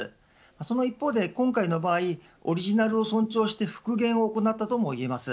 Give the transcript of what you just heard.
その一方で、今回の場合オリジナルを尊重して復元を行ったといえます。